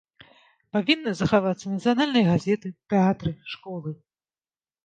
Павінны захавацца нацыянальныя газеты, тэатры, школы.